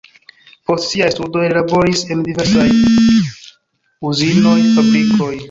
Post siaj studoj li laboris en diversaj uzinoj, fabrikoj.